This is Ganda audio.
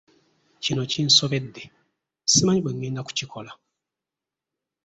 Kino kinsobedde simanyi bwe ngenda kukikola.